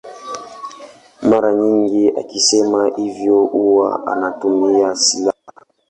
Mara nyingi akisema hivyo huwa anatumia silaha.